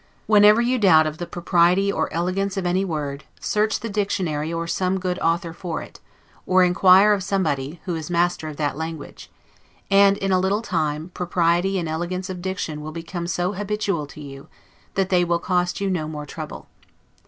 Whenever you doubt of the propriety or elegance of any word, search the dictionary or some good author for it, or inquire of somebody, who is master of that language; and, in a little time, propriety and elegance of diction will become so habitual to you, that they will cost you no more trouble.